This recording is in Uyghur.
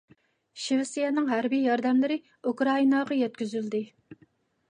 شىۋېتسىيەنىڭ ھەربىي ياردەملىرى ئۇكرائىناغا يەتكۈزۈلدى.